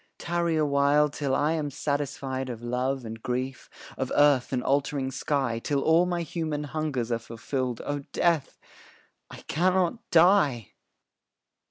Tarry a while, till I am satisfied Of love and grief, of earth and altering sky; Till all my human hungers are fulfilled, O Death, I cannot die!